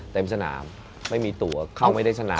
เต็มสนามไม่มีตัวเขาไม่ได้สนาม